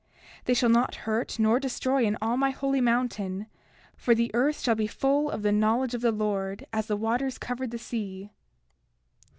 30:15 They shall not hurt nor destroy in all my holy mountain; for the earth shall be full of the knowledge of the Lord as the waters cover the sea.